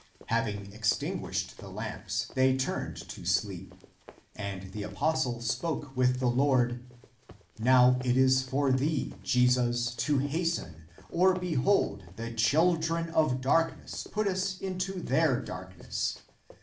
Having extinguished the lamps, they turned to sleep. And the apostle spoke with the Lord, " Now it is for thee, Jesus, to hasten, or, behold, the chil dren of darkness put us into their darkness.